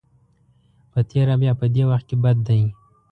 په تېره بیا په دې وخت کې بد دی.